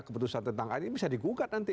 keputusan tentang ini bisa digugat nanti